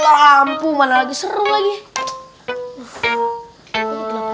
ada buku pencak silat juga nih